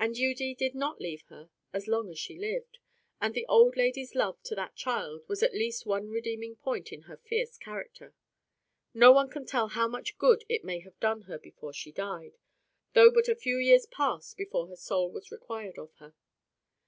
And Judy did not leave her as long as she lived. And the old lady's love to that child was at least one redeeming point in her fierce character. No one can tell how mucn good it may have done her before she died—though but a few years passed before her soul was required of her.